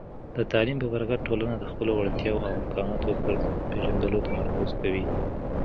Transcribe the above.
د تعلیم په برکت، ټولنه د خپلو وړتیاوو او امکاناتو پر پېژندلو تمرکز کوي.